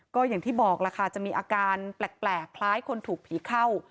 ก็อย่างที่บอกล่ะค่ะจะมีอาการแปลกคล้ายคนถูกผีเข้า